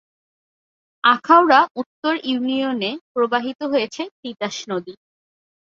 আখাউড়া উত্তর ইউনিয়নে প্রবাহিত হয়েছে তিতাস নদী।